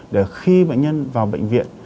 để khi bệnh nhân vào bệnh viện